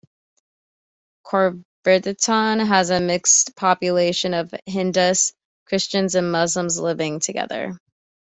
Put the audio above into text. Corriverton has a mixed population of Hindus, Christians and Muslims living together.